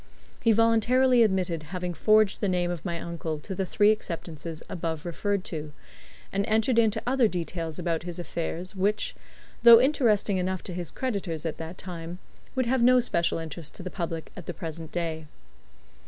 He voluntarily admitted having forged the name of my uncle to the three acceptances above referred to and entered into other details about his affairs, which, though interesting enough to his creditors at that time, would have no special interest to the public at the present day.